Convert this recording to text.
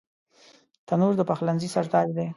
تنور د پخلنځي سر تاج دی